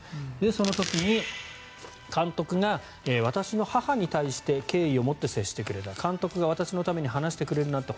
その時に、監督が私の母に対して敬意を持って接してくれた監督が私のために話してくれるなんて